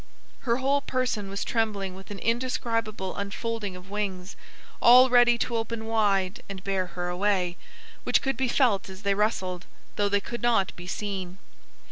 Her whole person was trembling with an indescribable unfolding of wings, all ready to open wide and bear her away, which could be felt as they rustled, though they could not be seen.